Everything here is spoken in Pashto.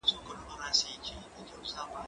زه پرون کالي ومينځل!!